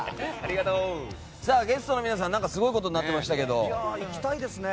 ゲストの皆さんすごいことになってましたけど。